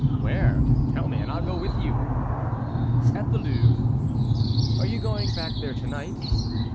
"Where? Tell me and I'll go with you." "At the Louvre." "Are you going back there to night?"